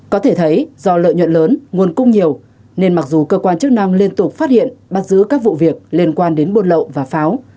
có thể thấy do lợi nhuận lớn nguồn cung nhiều nên mặc dù cơ quan chức năng liên tục phát hiện bắt giữ các vụ việc liên quan đến buôn lậu và pháo